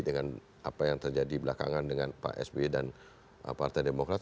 dengan apa yang terjadi belakangan dengan pak sby dan partai demokrat